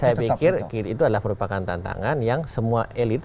saya pikir itu adalah merupakan tantangan yang semua elit